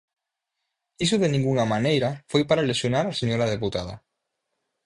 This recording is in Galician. Iso de ningunha maneira foi para lesionar a señora deputada.